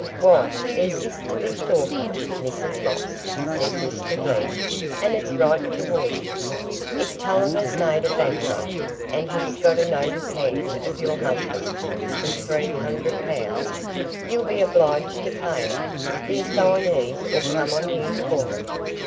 "Why, there's this to be thought on, Mrs Moss," said Mr Glegg, "and it's right to warn you,—if Tulliver's made a bankrupt, and he's got a note of hand of your husband's for three hundred pounds, you'll be obliged to pay it; th' assignees 'ull come on you for it."